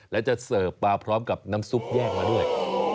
และจะเสิร์ฟมาพร้อมกับน้ำซุปแยกมาด้วย